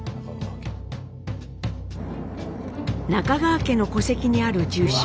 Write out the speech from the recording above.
中川家の戸籍にある住所